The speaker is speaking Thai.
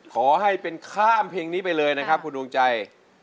ขอให้เป็นข้ามเพลงนี้ไปเลยนะครับคุณดวงใจ